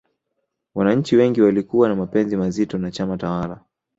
wananchi wengi walikuwa na mapenzi mazito na chama tawala